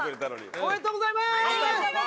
ありがとうございます！